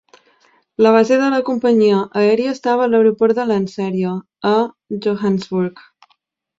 La base de la companyia aèria estava a l'aeroport de Lanseria, a Johannesburg.